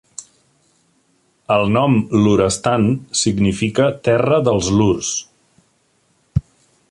El nom "Lorestan" significa "terra dels lurs".